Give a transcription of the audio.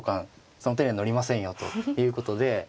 その手には乗りませんよということでまあ